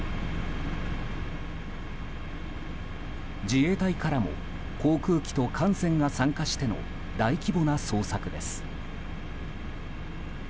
自衛隊からも航空機と艦船が参加しての大規模な捜索です。